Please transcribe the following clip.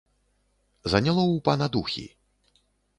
Заняло ў пана духі.